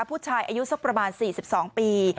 ผู้ชายอายุสักประมาณ๔๒ปี